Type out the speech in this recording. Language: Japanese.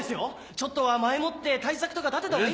ちょっとは前もって対策とか立てたほうが。